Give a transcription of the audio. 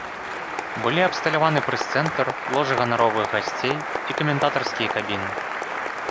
Былі абсталяваны прэс-цэнтр, ложа ганаровых гасцей і каментатарскія кабіны.